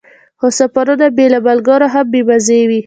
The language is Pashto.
خو سفرونه بې له ملګرو هم بې مزې وي.